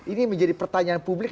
ini menjadi pertanyaan publik